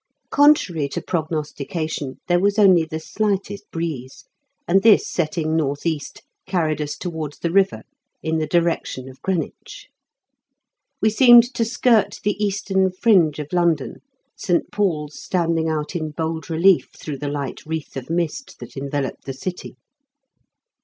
Contrary to prognostication, there was only the slightest breeze, and this setting north east, carried us towards the river in the direction of Greenwich. We seemed to skirt the eastern fringe of London, St. Paul's standing out in bold relief through the light wreath of mist that enveloped the city.